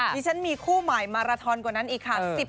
ฉันมีคู่ใหม่มาราทอนกว่านั้นอีกค่ะ